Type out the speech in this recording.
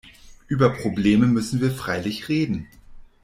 Über Probleme müssen wir freilich reden.